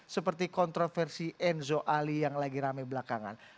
seperti kontroversi enzo ali yang lagi rame belakangan